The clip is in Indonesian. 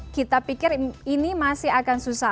kita pikir ini masih akan susah